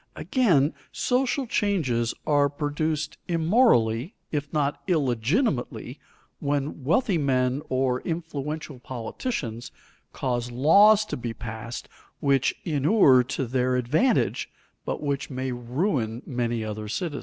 Again, social changes are produced immorally, if not illegitimately, when wealthy men or influential politicians cause laws to be passed which inure to their advantage but which may ruin many other citizens.